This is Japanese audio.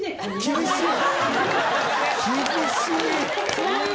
厳しい！